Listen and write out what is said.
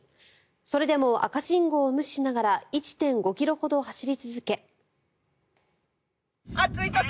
それでも、赤信号を無視しながら１．５ｋｍほど走り続け。